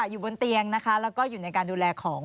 อยู่บนเตียงนะคะแล้วก็อยู่ในการดูแลของ